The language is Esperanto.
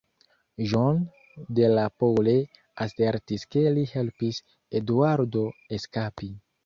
John de la Pole asertis ke li helpis Eduardo eskapi.